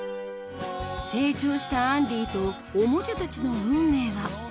成長したアンディとオモチャたちの運命は？